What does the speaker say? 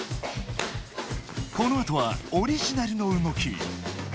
このあとは「オリジナルの動き」。